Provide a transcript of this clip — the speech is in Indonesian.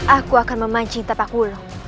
aku akan memancing tapak mulu